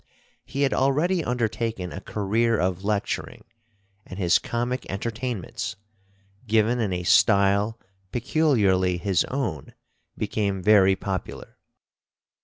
He had already undertaken a career of lecturing, and his comic entertainments, given in a style peculiarly his own, became very popular.